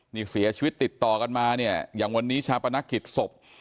นี่เสียชีวิตติดต่อกันมาเนี่ยอย่างวันนี้ชาปนกิจศพ